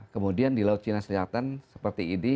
kemudian di laut cina selatan seperti ini